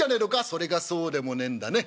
「それがそうでもねえんだね。